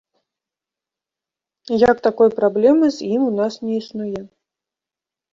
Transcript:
Як такой праблемы з ім у нас не існуе.